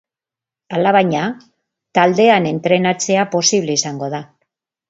Alabaina, taldean entrenatzea posible izango da.